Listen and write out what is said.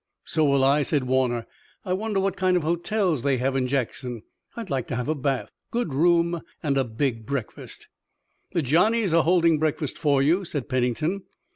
"So will I," said Warner. "I wonder what kind of hotels they have in Jackson. I'd like to have a bath, good room and a big breakfast." "The Johnnies are holding breakfast for you," said Pennington.